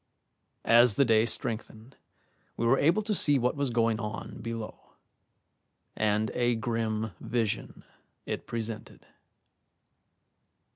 As the day strengthened, we were able to see what was going on below, and a grim vision it presented.